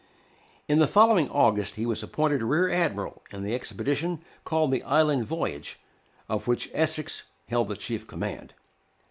In the following August he was appointed Rear Admiral in the expedition called the Island Voyage, of which Essex held the chief command.